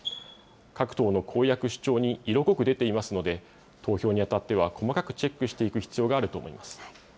各党の公約、主張に色濃く出ていますので、投票にあたっては、細かくチェックしていく必要があると思います。